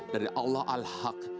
dari allah al haq